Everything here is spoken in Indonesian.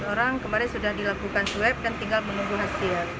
yang delapan belas orang kemarin sudah dilakukan swab dan tinggal menunggu hasil